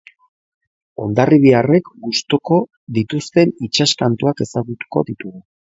Hondarribiarrek gustuko dituzten itsas kantuak ezagutuko ditugu.